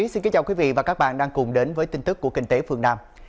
xin kính chào quý vị và các bạn đang cùng đến với tin tức của kinh tế phương nam